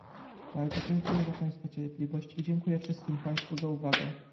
Bardzo dziękuję za państwa cierpliwość i dziękuję wszystkim Państwu za uwagę